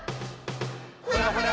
「ほらほら